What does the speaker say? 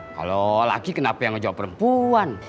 kalau laki kenapa yang menjawab perempuan